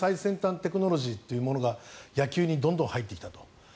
テクノロジーというものが野球にどんどん入ってきたと。